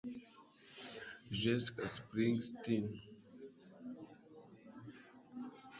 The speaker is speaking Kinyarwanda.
jessica springsteen